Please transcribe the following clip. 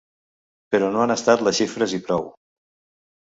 Però no han estat les xifres i prou.